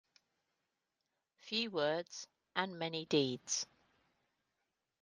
Few words and many deeds.